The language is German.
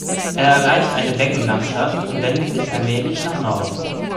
Er erreicht eine Beckenlandschaft und wendet sich allmählich nach Norden.